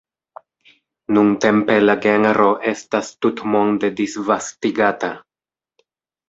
Nuntempe la genro estas tutmonde disvastigata.